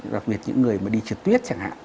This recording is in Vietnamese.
đặc biệt những người mà đi trượt tuyết chẳng hạn